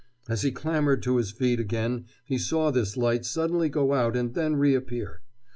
As he clambered to his feet again he saw this light suddenly go out and then reappear.